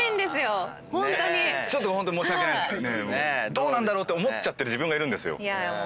どうなんだろうと思っちゃってる自分がいるんですよ。